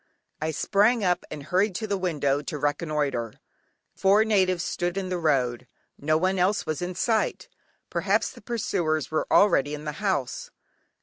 I sprang up and hurried to the window to reconnoitre; four natives stood in the road; no one else was in sight; perhaps the pursuers were already in the house.